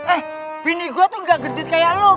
eh bini gue tuh gak gede kayak lo